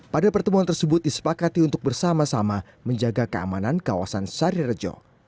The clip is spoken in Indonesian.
pada pertemuan tersebut disepakati untuk bersama sama menjaga keamanan kawasan sari rejo